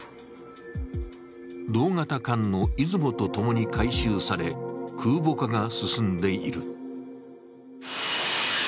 同型艦の「いずも」とともに改修され空母化が進んでいる。